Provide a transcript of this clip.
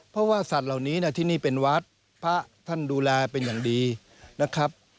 เพราะว่าสัตว์เหล่านี้ที่นี่เป็นวัดพระท่านดูแลเป็นอย่างดีนะครับ